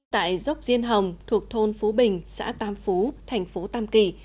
tại dốc diên hồng thuộc thôn phú bình xã tam phú thành phố tam kỳ